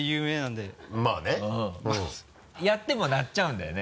やっても鳴っちゃうんだよね？